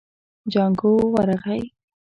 جانکو ورغی.